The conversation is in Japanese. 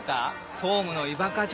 総務の伊庭課長